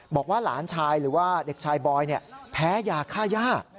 บอกว่าหลานชายหรือว่าเด็กชายบอยแพ้ยาฆ่าย่า